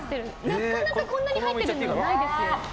なかなかこんなに入ってるものはないですよ。